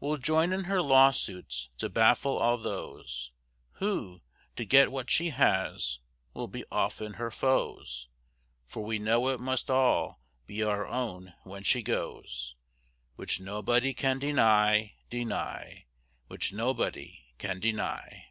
We'll join in her lawsuits, to baffle all those Who, to get what she has, will be often her foes; For we know it must all be our own, when she goes; Which nobody can deny, deny, Which nobody can deny.